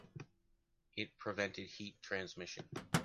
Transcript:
It prevented heat transmission.